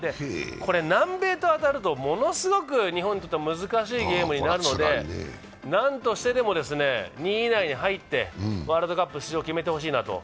南米と当たるとものすごく日本にとって難しいゲームになるのでなんとしてでも２位に以内に入ってワールドカップ出場を決めてほしいなと。